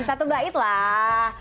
satu bait lah